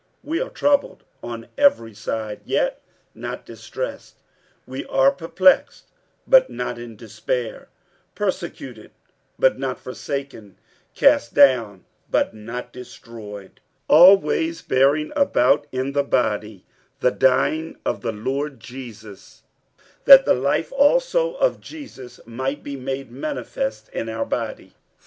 47:004:008 We are troubled on every side, yet not distressed; we are perplexed, but not in despair; 47:004:009 Persecuted, but not forsaken; cast down, but not destroyed; 47:004:010 Always bearing about in the body the dying of the Lord Jesus, that the life also of Jesus might be made manifest in our body.